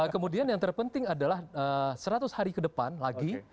kemudian yang terpenting adalah seratus hari ke depan lagi